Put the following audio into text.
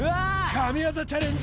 神業チャレンジ